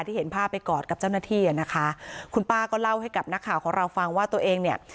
เห็นภาพไปกอดกับเจ้าหน้าที่อ่ะนะคะคุณป้าก็เล่าให้กับนักข่าวของเราฟังว่าตัวเองเนี่ย